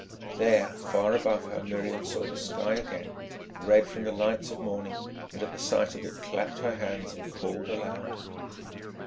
There, far above her, Miriam saw the sky again, red from the lights of morning, and at the sight of it clapped her hands and called aloud.